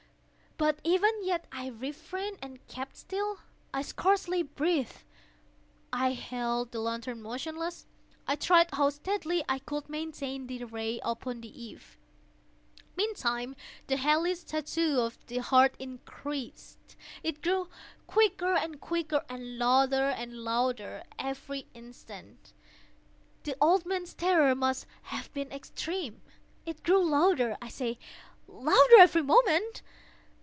But even yet I refrained and kept still. I scarcely breathed. I held the lantern motionless. I tried how steadily I could maintain the ray upon the eve. Meantime the hellish tattoo of the heart increased. It grew quicker and quicker, and louder and louder every instant. The old man's terror must have been extreme! It grew louder, I say, louder every moment!